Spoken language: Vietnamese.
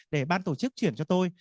để ban tổ chức chuyển cho tôi